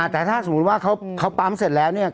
แต่ถ้าสมมุติว่าเขาปั๊มเสร็จแล้วเนี่ย